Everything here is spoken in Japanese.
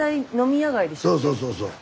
そうそうそうそう。